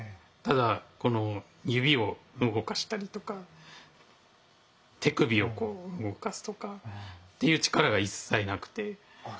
ただ指を動かしたりとか手首を動かすとかっていう力が一切なくて。